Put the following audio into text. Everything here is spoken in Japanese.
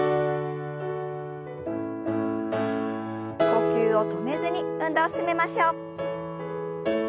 呼吸を止めずに運動を進めましょう。